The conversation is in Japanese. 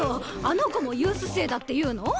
あの子もユース生だっていうの？